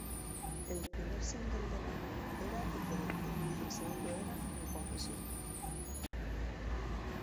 El primer single del álbum era "Diferente", el segundo era "Mi Confesión".